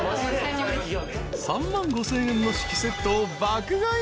［３万５，０００円の酒器セットを爆買い］